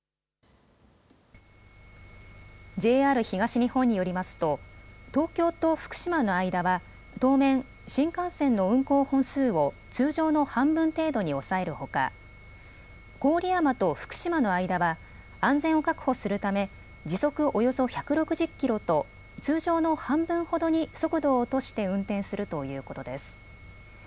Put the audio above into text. ＪＲ東日本によりますと東京と福島の間は当面、新幹線の運行本数を通常の半分程度に抑えるほか郡山と福島の間は安全を確保するため時速およそ１６０キロと通常の半分ほどに速度を落として運転するということです。